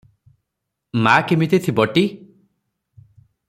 ମା କିମିତି ଥିବଟି?